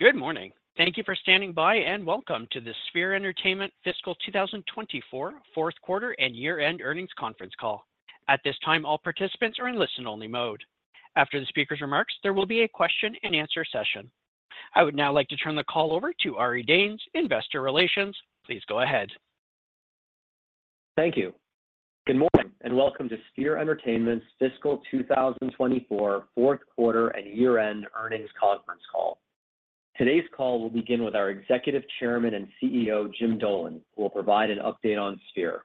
Good morning! Thank you for standing by, and welcome to the Sphere Entertainment Fiscal 2024 fourth quarter and year-end earnings conference call. At this time, all participants are in listen-only mode. After the speaker's remarks, there will be a question-and-answer session. I would now like to turn the call over to Ari Danes, Investor Relations. Please go ahead. Thank you. Good morning, and welcome to Sphere Entertainment's Fiscal 2024 fourth quarter and year-end earnings conference call. Today's call will begin with our Executive Chairman and CEO, Jim Dolan, who will provide an update on Sphere.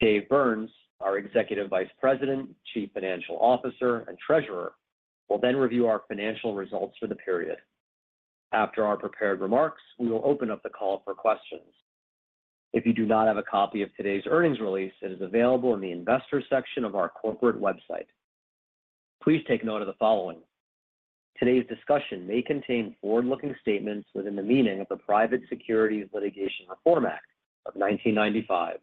David Byrnes, our Executive Vice President, Chief Financial Officer, and Treasurer, will then review our financial results for the period. After our prepared remarks, we will open up the call for questions. If you do not have a copy of today's earnings release, it is available in the Investors section of our corporate website. Please take note of the following: Today's discussion may contain forward-looking statements within the meaning of the Private Securities Litigation Reform Act of 1995.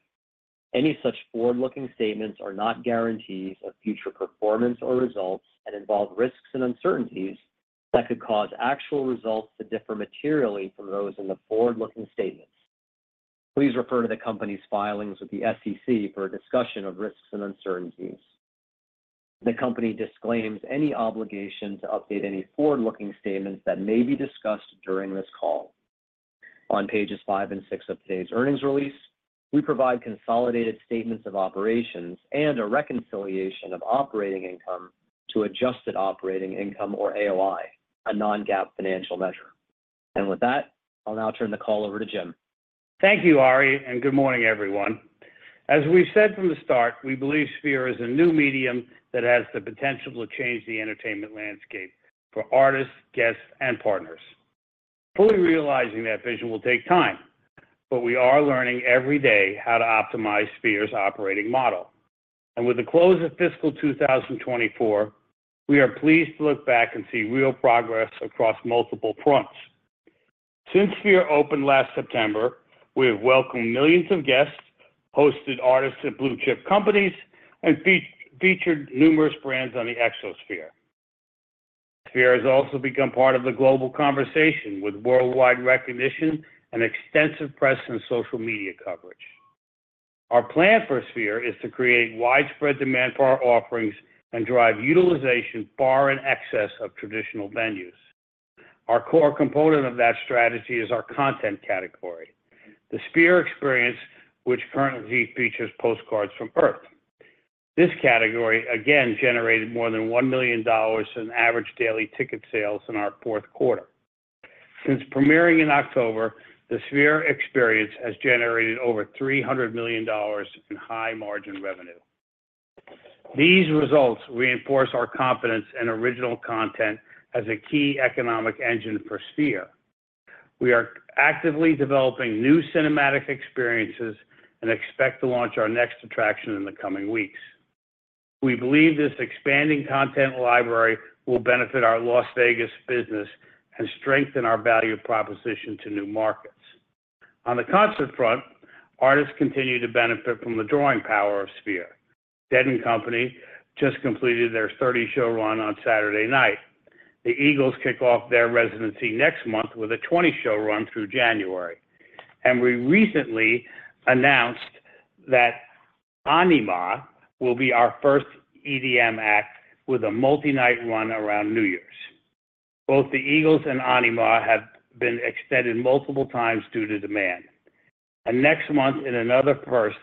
Any such forward-looking statements are not guarantees of future performance or results and involve risks and uncertainties that could cause actual results to differ materially from those in the forward-looking statements. Please refer to the company's filings with the SEC for a discussion of risks and uncertainties. The company disclaims any obligation to update any forward-looking statements that may be discussed during this call. On pages 5 and 6 of today's earnings release, we provide consolidated statements of operations and a reconciliation of operating income to adjusted operating income or AOI, a non-GAAP financial measure. With that, I'll now turn the call over to Jim. Thank you, Ari, and good morning, everyone. As we've said from the start, we believe Sphere is a new medium that has the potential to change the entertainment landscape for artists, guests, and partners. Fully realizing that vision will take time, but we are learning every day how to optimize Sphere's operating model. And with the close of fiscal 2024, we are pleased to look back and see real progress across multiple fronts. Since Sphere opened last September, we have welcomed millions of guests, hosted artists and blue-chip companies, and featured numerous brands on the Exosphere. Sphere has also become part of the global conversation, with worldwide recognition and extensive press and social media coverage. Our plan for Sphere is to create widespread demand for our offerings and drive utilization far in excess of traditional venues. Our core component of that strategy is our content category, The Sphere Experience, which currently features Postcard from Earth. This category again generated more than $1 million in average daily ticket sales in our fourth quarter. Since premiering in October, The Sphere Experience has generated over $300 million in high-margin revenue. These results reinforce our confidence in original content as a key economic engine for Sphere. We are actively developing new cinematic experiences and expect to launch our next attraction in the coming weeks. We believe this expanding content library will benefit our Las Vegas business and strengthen our value proposition to new markets. On the concert front, artists continue to benefit from the drawing power of Sphere. Dead & Company just completed their 30-show run on Saturday night. The Eagles kick off their residency next month with a 20-show run through January. We recently announced that Anyma will be our first EDM act with a multi-night run around New Year's. Both the Eagles and Anyma have been extended multiple times due to demand. Next month, in another first,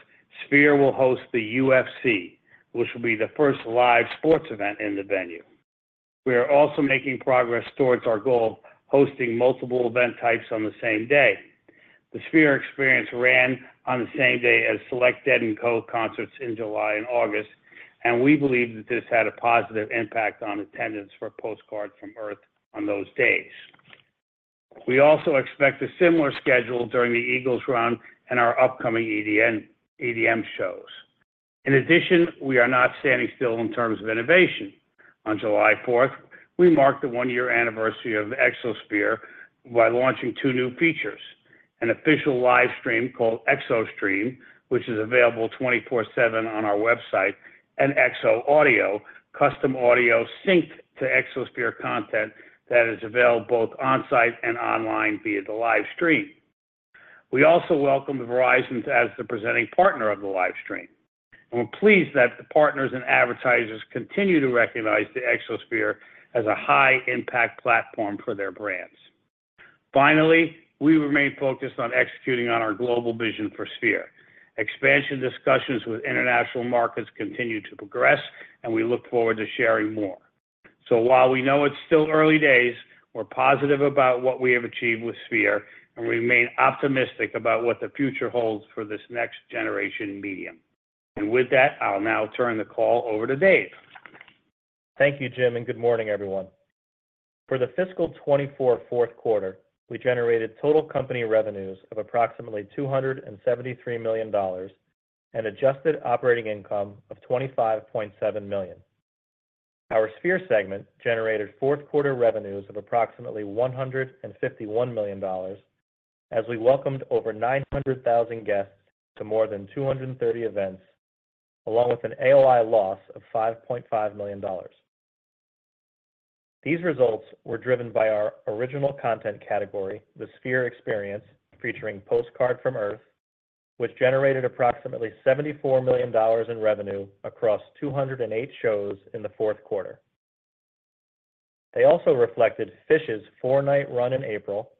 Sphere will host the UFC, which will be the first live sports event in the venue. We are also making progress towards our goal, hosting multiple event types on the same day. The Sphere Experience ran on the same day as select Dead & Company concerts in July and August, and we believe that this had a positive impact on attendance for Postcard from Earth on those days. We also expect a similar schedule during the Eagles run and our upcoming EDM shows. In addition, we are not standing still in terms of innovation. On July fourth, we marked the one-year anniversary of Exosphere by launching two new features: an official live stream called ExoStream, which is available 24/7 on our website, and ExoAudio, custom audio synced to Exosphere content that is available both on-site and online via the live stream. We also welcome Verizon as the presenting partner of the live stream, and we're pleased that the partners and advertisers continue to recognize the Exosphere as a high-impact platform for their brands. Finally, we remain focused on executing on our global vision for Sphere. Expansion discussions with international markets continue to progress, and we look forward to sharing more. So while we know it's still early days, we're positive about what we have achieved with Sphere, and we remain optimistic about what the future holds for this next-generation medium. And with that, I'll now turn the call over to Dave. Thank you, Jim, and good morning, everyone. For the fiscal 2024 fourth quarter, we generated total company revenues of approximately $273 million and Adjusted Operating Income of $25.7 million. Our Sphere segment generated fourth quarter revenues of approximately $151 million, as we welcomed over 900,000 guests to more than 230 events.... along with an AOI loss of $5.5 million. These results were driven by our original content category, the Sphere Experience, featuring Postcard from Earth, which generated approximately $74 million in revenue across 208 shows in the fourth quarter. They also reflected Phish's four-night run in April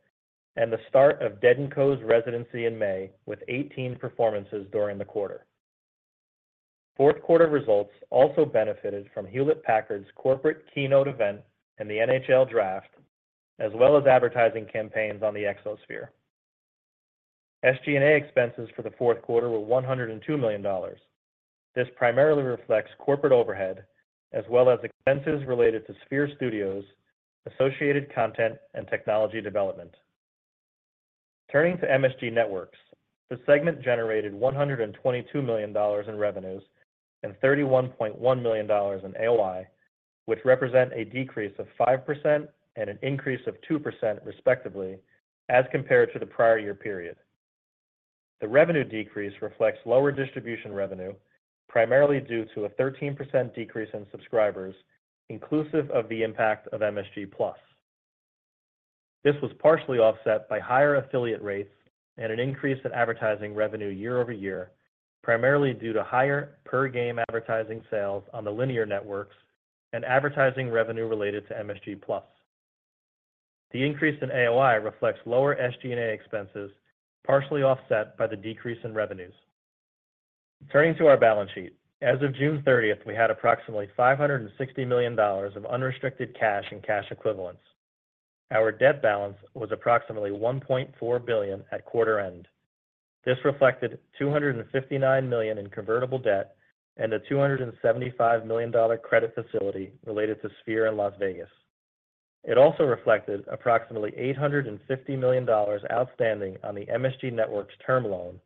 and the start of Dead & Company's residency in May, with 18 performances during the quarter. Fourth quarter results also benefited from Hewlett-Packard's corporate keynote event and the NHL Draft, as well as advertising campaigns on the Exosphere. SG&A expenses for the fourth quarter were $102 million. This primarily reflects corporate overhead, as well as expenses related to Sphere Studios, associated content, and technology development. Turning to MSG Networks, the segment generated $122 million in revenues and $31.1 million in AOI, which represent a decrease of 5% and an increase of 2%, respectively, as compared to the prior year period. The revenue decrease reflects lower distribution revenue, primarily due to a 13% decrease in subscribers, inclusive of the impact of MSG+. This was partially offset by higher affiliate rates and an increase in advertising revenue year-over-year, primarily due to higher per-game advertising sales on the linear networks and advertising revenue related to MSG+. The increase in AOI reflects lower SG&A expenses, partially offset by the decrease in revenues. Turning to our balance sheet. As of June thirtieth, we had approximately $560 million of unrestricted cash and cash equivalents. Our debt balance was approximately $1.4 billion at quarter end. This reflected $259 million in convertible debt and a $275 million credit facility related to Sphere in Las Vegas. It also reflected approximately $850 million outstanding on the MSG Networks term loan,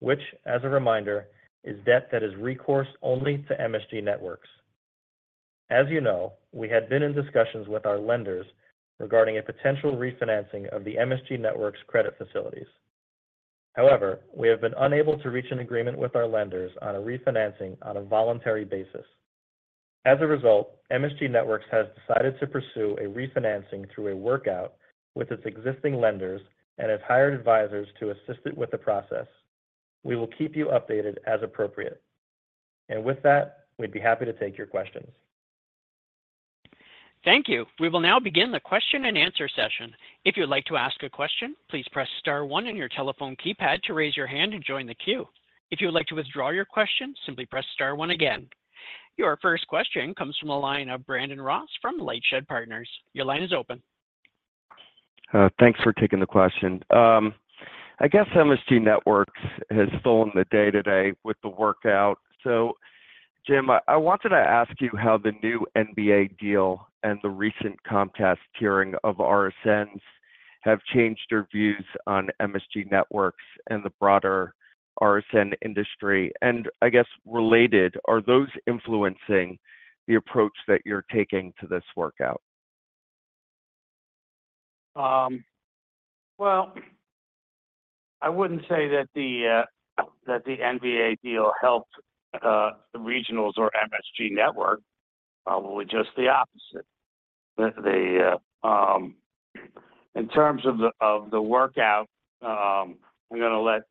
which, as a reminder, is debt that is recourse only to MSG Networks. As you know, we had been in discussions with our lenders regarding a potential refinancing of the MSG Networks credit facilities. However, we have been unable to reach an agreement with our lenders on a refinancing on a voluntary basis. As a result, MSG Networks has decided to pursue a refinancing through a workout with its existing lenders and has hired advisors to assist it with the process. We will keep you updated as appropriate. With that, we'd be happy to take your questions. Thank you. We will now begin the question and answer session. If you'd like to ask a question, please press star one on your telephone keypad to raise your hand and join the queue. If you would like to withdraw your question, simply press star one again. Your first question comes from the line of Brandon Ross from LightShed Partners. Your line is open. Thanks for taking the question. I guess MSG Networks has stolen the day today with the workout. So, Jim, I wanted to ask you how the new NBA deal and the recent contest hearing of RSNs have changed your views on MSG Networks and the broader RSN industry? And I guess, related, are those influencing the approach that you're taking to this workout? Well, I wouldn't say that the NBA deal helped the regionals or MSG Network. Well, just the opposite. In terms of the outlook, I'm gonna let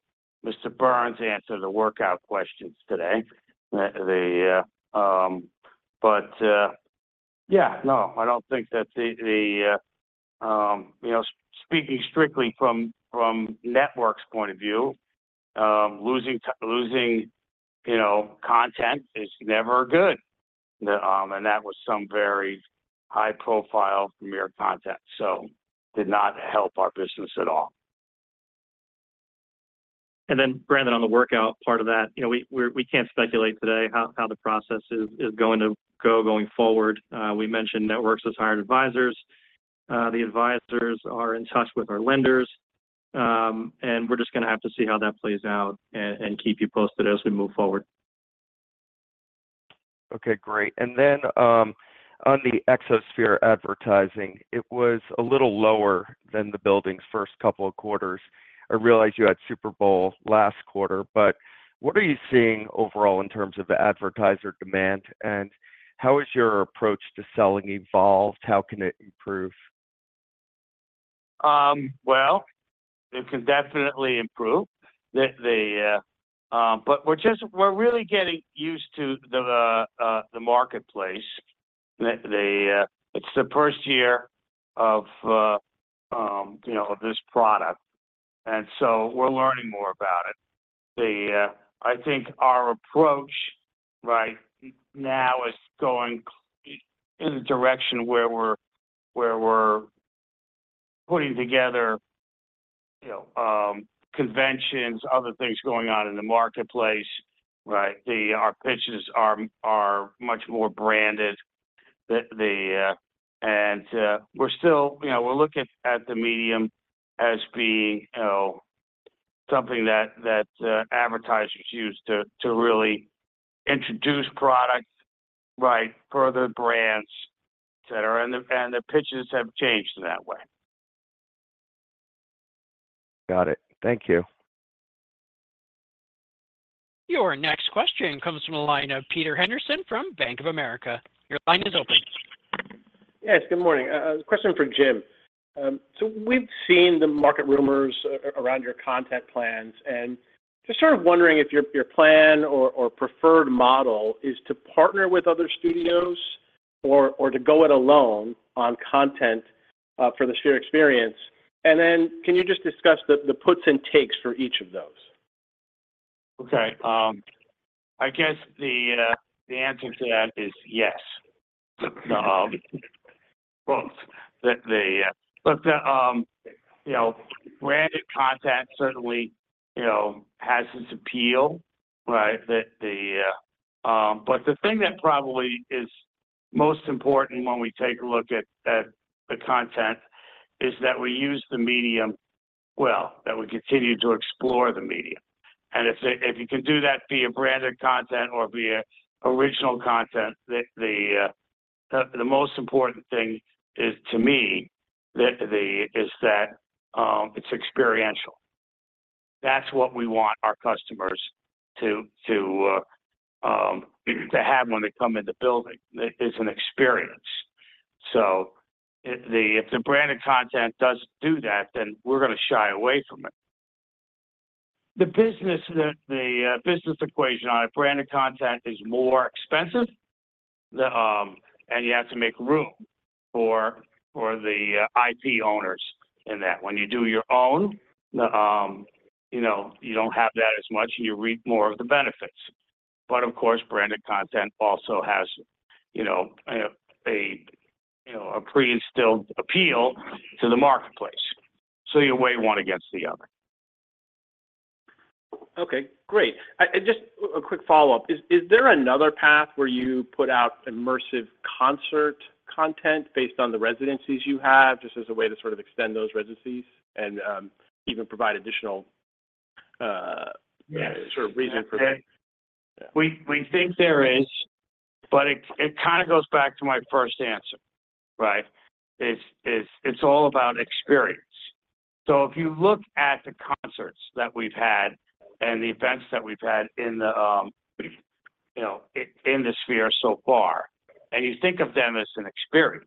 Mr. Byrnes answer the outlook questions today. Yeah, no, I don't think that you know, speaking strictly from Network's point of view, losing you know, content is never good. And that was some very high-profile media content, so did not help our business at all. And then, Brandon, on the workout part of that, you know, we can't speculate today how the process is going to go going forward. We mentioned Networks has hired advisors. The advisors are in touch with our lenders, and we're just gonna have to see how that plays out and keep you posted as we move forward. Okay, great. And then, on the Exosphere advertising, it was a little lower than the building's first couple of quarters. I realize you had Super Bowl last quarter, but what are you seeing overall in terms of advertiser demand, and how has your approach to selling evolved? How can it improve? Well, it can definitely improve. But we're just getting used to the marketplace. It's the first year of, you know, this product, and so we're learning more about it. I think our approach right now is going in the direction where we're putting together, you know, conventions, other things going on in the marketplace, right? Our pitches are much more branded. And we're still, you know, we're looking at the medium as being, you know, something that advertisers use to really introduce products, right? Further brands that are. And the pitches have changed in that way. Got it. Thank you. Your next question comes from the line of Peter Henderson from Bank of America. Your line is open. Yes, good morning. A question for Jim. So we've seen the market rumors around your content plans, and just sort of wondering if your plan or preferred model is to partner with other studios or to go it alone on content for the Sphere experience. And then can you just discuss the puts and takes for each of those? Okay, I guess the answer to that is yes. Well, But the, you know, branded content certainly, you know, has its appeal, right? But the thing that probably is most important when we take a look at the content is that we use the medium well, that we continue to explore the medium. And if you can do that via branded content or via original content, the most important thing is, to me, is that it's experiential. That's what we want our customers to have when they come in the building. It's an experience. So if the branded content doesn't do that, then we're gonna shy away from it. The business equation on a branded content is more expensive, and you have to make room for the IP owners in that. When you do your own, you know, you don't have that as much, and you reap more of the benefits. But of course, branded content also has, you know, a pre-instilled appeal to the marketplace. So you weigh one against the other. Okay, great. And just a quick follow-up. Is there another path where you put out immersive concert content based on the residencies you have, just as a way to sort of extend those residencies and even provide additional Yes. Sort of reason for that? We think there is, but it kinda goes back to my first answer, right? It's all about experience. So if you look at the concerts that we've had and the events that we've had in the, you know, in the Sphere so far, and you think of them as an experience,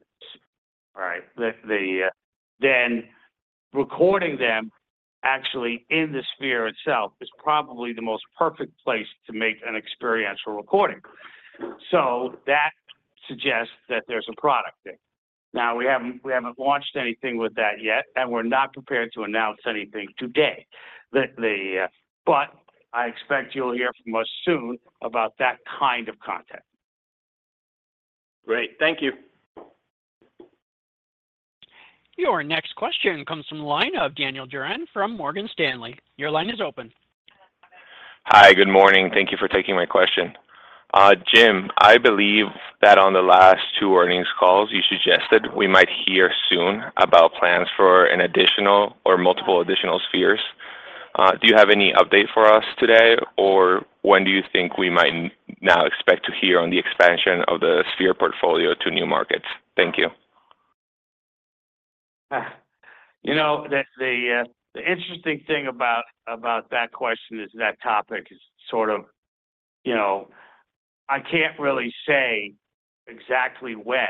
right? Then recording them actually in the Sphere itself is probably the most perfect place to make an experiential recording. So that suggests that there's a product there. Now, we haven't launched anything with that yet, and we're not prepared to announce anything today. But I expect you'll hear from us soon about that kind of content. Great. Thank you. Your next question comes from the line of Daniel Duran from Morgan Stanley. Your line is open. Hi, good morning. Thank you for taking my question. Jim, I believe that on the last two earnings calls, you suggested we might hear soon about plans for an additional or multiple additional Spheres. Do you have any update for us today, or when do you think we might now expect to hear on the expansion of the Sphere portfolio to new markets? Thank you. You know, the interesting thing about that question is, that topic is sort of, you know, I can't really say exactly when,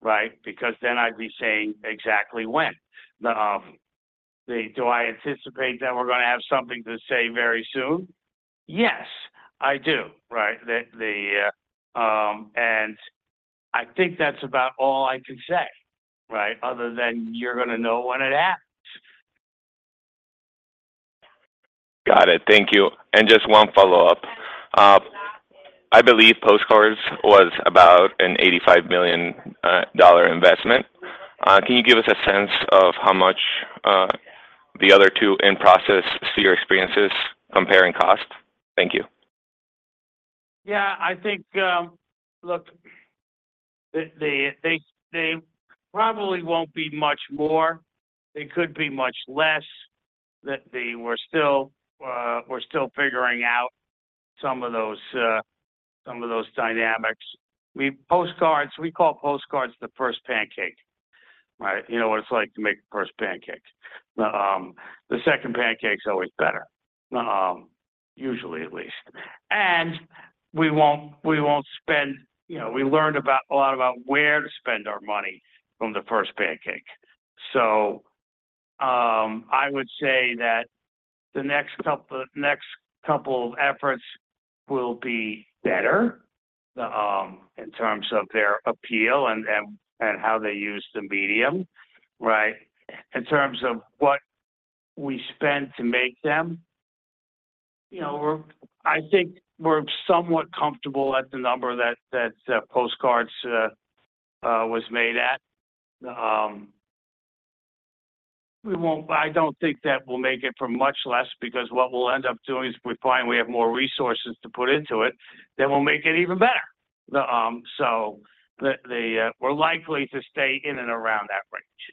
right? Because then I'd be saying exactly when. Do I anticipate that we're gonna have something to say very soon? Yes, I do, right? And I think that's about all I can say, right? Other than you're gonna know when it happens. Got it. Thank you. And just one follow-up. I believe Postcard was about a $85 million investment. Can you give us a sense of how much the other two in-process Sphere experiences comparing cost? Thank you. Yeah, I think... Look, they probably won't be much more. They could be much less. We're still figuring out some of those dynamics. Postcards, we call Postcards the first pancake, right? You know what it's like to make the first pancake. The second pancake is always better, usually at least. And we won't spend, you know, we learned about a lot about where to spend our money on the first pancake. So, I would say that the next couple of efforts will be better, in terms of their appeal and how they use the medium, right? In terms of what we spend to make them, you know, I think we're somewhat comfortable at the number that Postcard was made at. I don't think that we'll make it for much less because what we'll end up doing is, if we find we have more resources to put into it, then we'll make it even better. So, we're likely to stay in and around that range.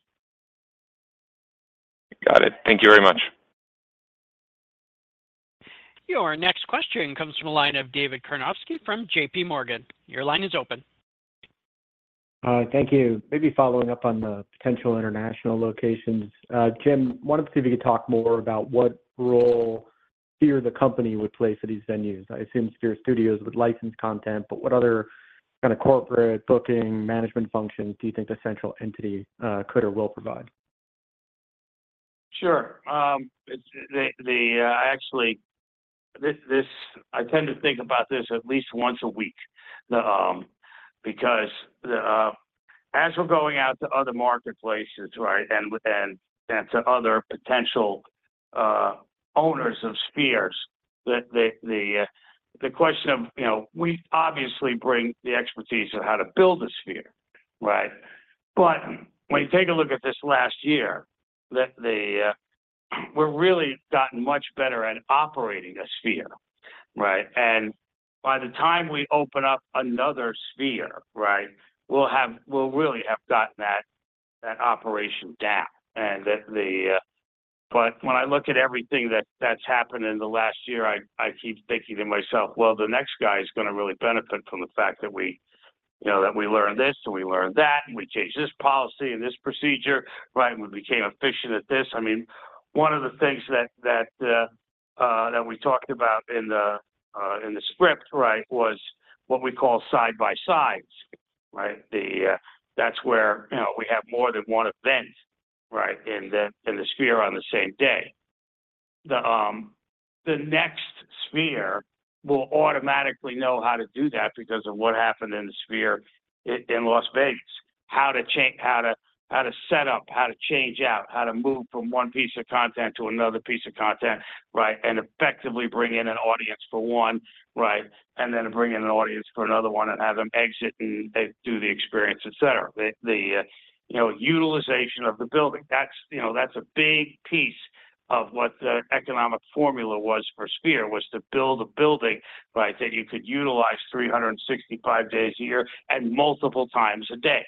Got it. Thank you very much.... Your next question comes from the line of David Karnofsky from JPMorgan. Your line is open. Thank you. Maybe following up on the potential international locations. Jim, wanted to see if you could talk more about what role Sphere the company would play for these venues. I assume Sphere Studios would license content, but what other kind of corporate booking management functions do you think the central entity could or will provide? Sure. It's actually this I tend to think about at least once a week. Because as we're going out to other marketplaces, right, and to other potential owners of Spheres, the question of, you know, we obviously bring the expertise of how to build a Sphere, right? But when you take a look at this last year, we're really gotten much better at operating a Sphere, right? And by the time we open up another Sphere, right, we'll really have gotten that operation down. And the... But when I look at everything that's happened in the last year, I keep thinking to myself, well, the next guy is gonna really benefit from the fact that we, you know, that we learned this, and we learned that, and we changed this policy and this procedure, right? And we became efficient at this. I mean, one of the things that we talked about in the script, right, was what we call side by sides, right? That's where, you know, we have more than one event, right, in the Sphere on the same day. The next Sphere will automatically know how to do that because of what happened in the Sphere in Las Vegas. How to change... How to set up, how to change out, how to move from one piece of content to another piece of content, right? And effectively bring in an audience for one, right, and then bring in an audience for another one and have them exit, and they do the experience, et cetera. The utilization of the building, that's, you know, that's a big piece of what the economic formula was for Sphere, was to build a building, right, that you could utilize 365 days a year and multiple times a day.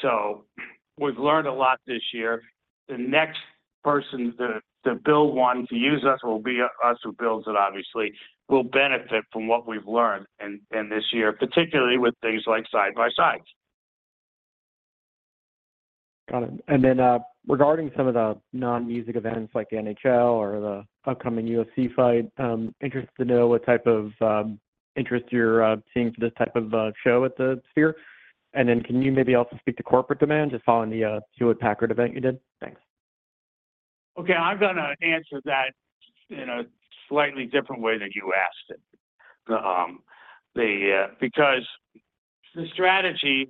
So we've learned a lot this year. The next person to build one, to use us, will be us who builds it, obviously, will benefit from what we've learned in this year, particularly with things like side-by-sides. Got it. And then, regarding some of the non-music events like the NHL or the upcoming UFC fight, interested to know what type of interest you're seeing for this type of show at the Sphere. And then can you maybe also speak to corporate demand, just following the Hewlett-Packard event you did? Thanks. Okay, I'm gonna answer that in a slightly different way than you asked it. The, because the strategy,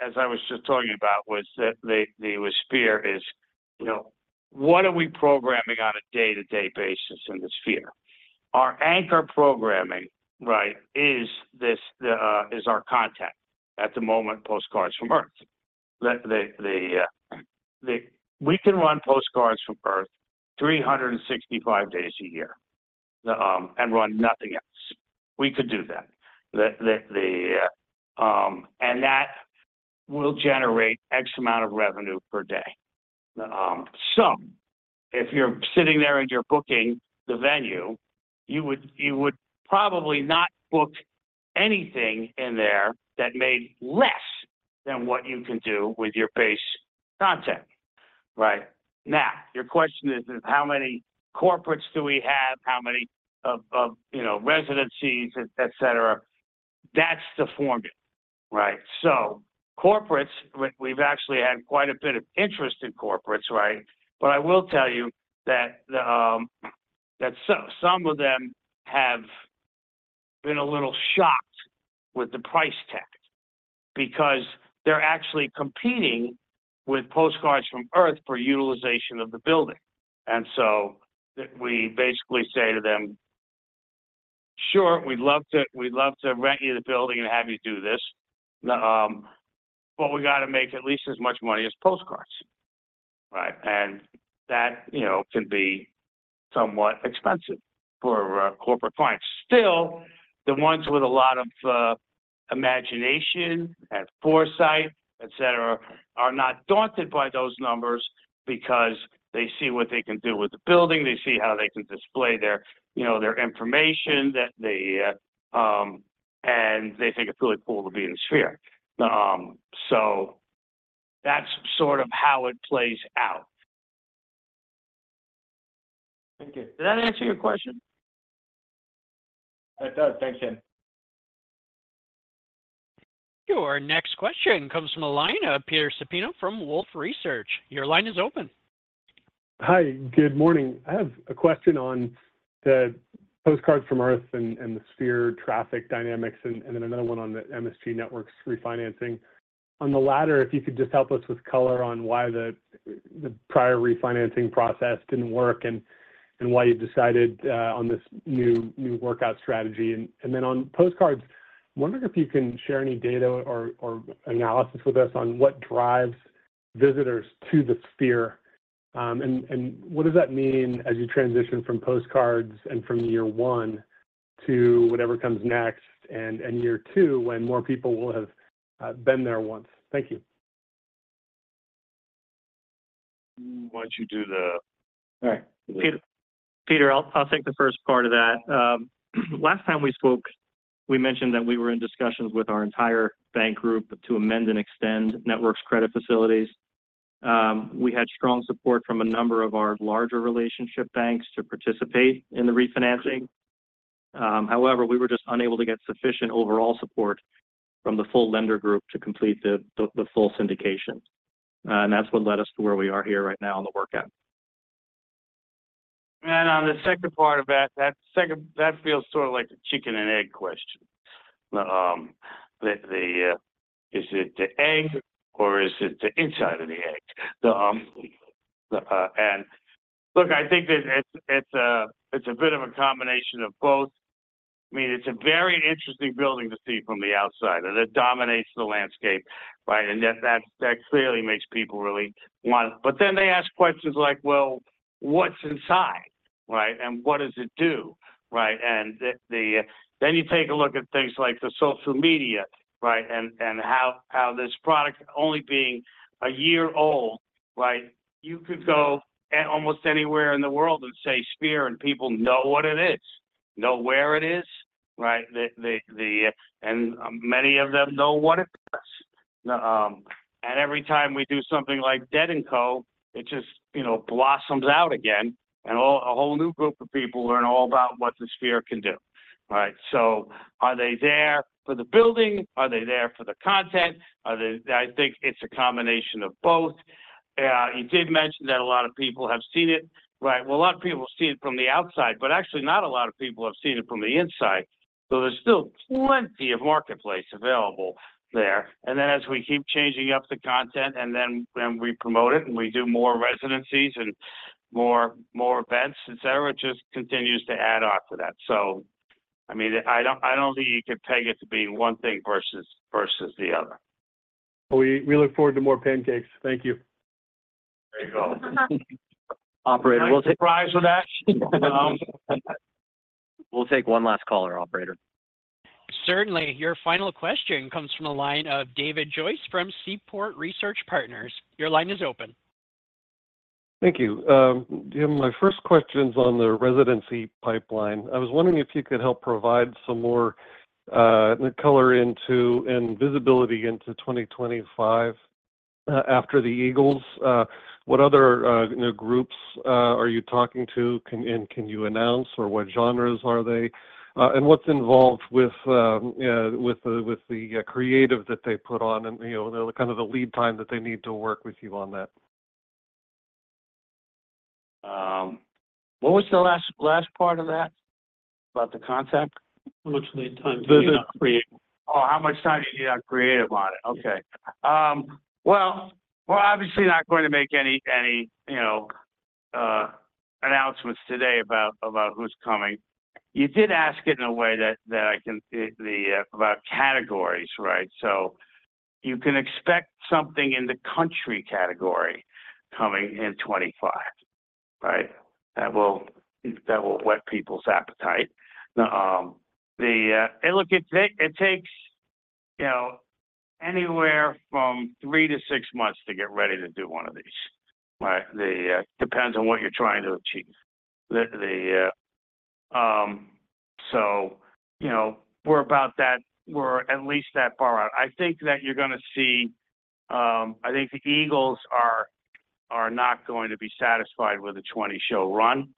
as I was just talking about, was that the Sphere is, you know, what are we programming on a day-to-day basis in the Sphere? Our anchor programming, right, is this, is our content. At the moment, Postcard from Earth. We can run Postcard from Earth 365 days a year, and run nothing else. We could do that. And that will generate X amount of revenue per day. So if you're sitting there and you're booking the venue, you would probably not book anything in there that made less than what you can do with your base content. Right? Now, your question is, is how many corporates do we have? How many of you know residencies, et cetera. That's the formula, right? So corporates, we've actually had quite a bit of interest in corporates, right? But I will tell you that some of them have been a little shocked with the price tag, because they're actually competing with Postcard from Earth for utilization of the building. And so we basically say to them, "Sure, we'd love to rent you the building and have you do this, but we got to make at least as much money as Postcard," right? And that, you know, can be somewhat expensive for a corporate client. Still, the ones with a lot of imagination and foresight, et cetera, are not daunted by those numbers because they see what they can do with the building. They see how they can display their, you know, their information. They think it's really cool to be in a Sphere. So that's sort of how it plays out. Thank you. Did that answer your question? It does. Thanks, Jim. Your next question comes from the line of Peter Supino from Wolfe Research. Your line is open. Hi, good morning. I have a question on the Postcard from Earth and the Sphere traffic dynamics, and then another one on the MSG Networks refinancing. On the latter, if you could just help us with color on why the prior refinancing process didn't work and why you decided on this new workout strategy. Then on Postcard, wondering if you can share any data or analysis with us on what drives visitors to the Sphere. And what does that mean as you transition from Postcard and from year one to whatever comes next, and year two, when more people will have been there once? Thank you.... Why don't you do the- All right. Peter, Peter, I'll take the first part of that. Last time we spoke, we mentioned that we were in discussions with our entire bank group to amend and extend Networks' credit facilities. We had strong support from a number of our larger relationship banks to participate in the refinancing. However, we were just unable to get sufficient overall support from the full lender group to complete the full syndication. And that's what led us to where we are here right now in the workout. And on the second part of that, that second that feels sort of like the chicken and egg question. Is it the egg or is it the inside of the egg? And look, I think that it's a bit of a combination of both. I mean, it's a very interesting building to see from the outside, and it dominates the landscape, right? And that clearly makes people really want it. But then they ask questions like, "Well, what's inside?" Right? "And what does it do?" Right. And then you take a look at things like the social media, right, and how this product only being a year old, right? You could go at almost anywhere in the world and say, "Sphere," and people know what it is, know where it is, right? And many of them know what it does. And every time we do something like Dead & Company, it just, you know, blossoms out again, and a whole new group of people learn all about what the Sphere can do, right? So are they there for the building? Are they there for the content? I think it's a combination of both. You did mention that a lot of people have seen it, right? Well, a lot of people have seen it from the outside, but actually, not a lot of people have seen it from the inside. So there's still plenty of marketplace available there. And then, as we keep changing up the content, and then when we promote it, and we do more residencies and more events, et cetera, it just continues to add on to that. I mean, I don't, I don't think you could peg it to be one thing versus, versus the other. We look forward to more pancakes. Thank you. There you go. Operator, we'll take- I'm surprised with that. We'll take one last caller, operator. Certainly. Your final question comes from the line of David Joyce from Seaport Research Partners. Your line is open. Thank you. Jim, my first question's on the residency pipeline. I was wondering if you could help provide some more color into and visibility into 2025. After the Eagles, what other, you know, groups are you talking to? And can you announce, or what genres are they? And what's involved with the creative that they put on and, you know, the kind of the lead time that they need to work with you on that? What was the last part of that? About the content? How much lead time do you need on creative? Oh, how much time do you need on creative on it? Yeah. Okay. Well, we're obviously not going to make any, you know, announcements today about who's coming. You did ask it in a way that I can. The about categories, right? So you can expect something in the country category coming in 2025, right? That will whet people's appetite. Hey, look, it takes, you know, anywhere from three to six months to get ready to do one of these, right? It depends on what you're trying to achieve. So, you know, we're about that, we're at least that far out. I think that you're gonna see. I think the Eagles are not going to be satisfied with a 20-show run,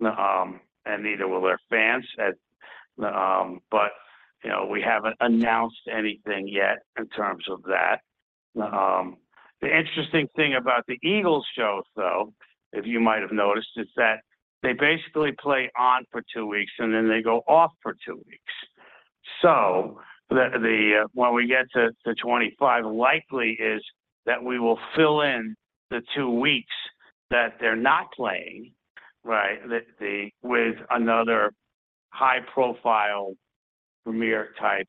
and neither will their fans at. But, you know, we haven't announced anything yet in terms of that. The interesting thing about the Eagles show, though, if you might have noticed, is that they basically play on for two weeks, and then they go off for two weeks. So when we get to 2025, likely is that we will fill in the two weeks that they're not playing, right, with another high-profile premier-type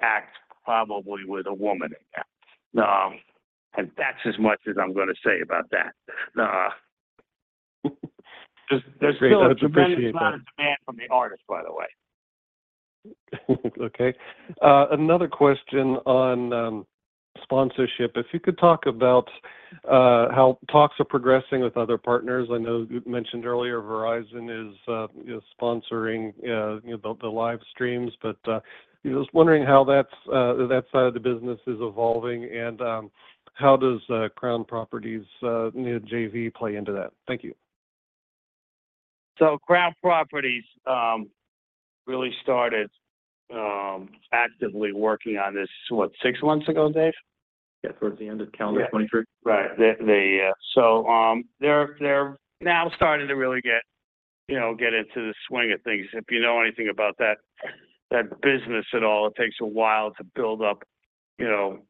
act, probably with a woman again. And that's as much as I'm gonna say about that. There's still- Great. I appreciate that. There's not a demand from the artist, by the way. Okay. Another question on sponsorship. If you could talk about how talks are progressing with other partners. I know you mentioned earlier Verizon is, you know, sponsoring, you know, the live streams. But I was wondering how that side of the business is evolving, and how does Crown Properties new JV play into that? Thank you. Crown Properties really started actively working on this, what, six months ago, Dave? Yeah, towards the end of calendar 2023. Right. So, they're now starting to really get, you know, get into the swing of things. If you know anything about that business at all, it takes a while to build up, you know,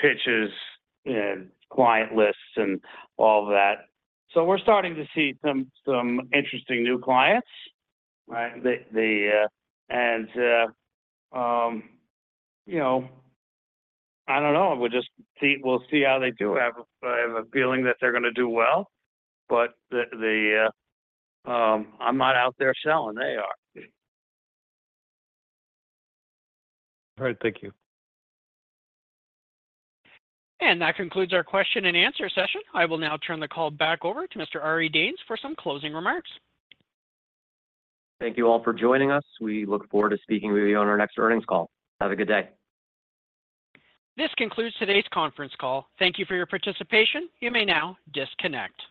pitches and client lists and all that. So we're starting to see some interesting new clients, right? You know, I don't know. We'll just see. We'll see how they do. I have a feeling that they're gonna do well, but I'm not out there selling. They are. All right. Thank you. That concludes our question and answer session. I will now turn the call back over to Mr. Ari Danes for some closing remarks. Thank you all for joining us. We look forward to speaking with you on our next earnings call. Have a good day. This concludes today's conference call. Thank you for your participation. You may now disconnect.